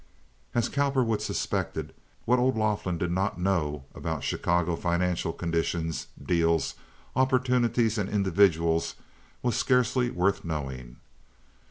As Cowperwood suspected, what old Laughlin did not know about Chicago financial conditions, deals, opportunities, and individuals was scarcely worth knowing.